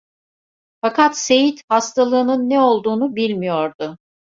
Fakat Seyit, hastalığının ne olduğunu bilmiyordu.